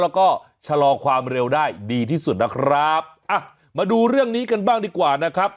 แล้วก็ชะลอความเร็วได้ดีที่สุดนะครับอ่ะมาดูเรื่องนี้กันบ้างดีกว่านะครับ